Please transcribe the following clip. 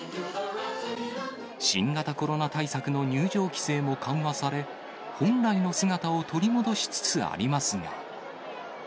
新型コロナ対策の入場規制も緩和され、本来の姿を取り戻しつつありますが。